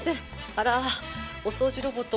あらお掃除ロボット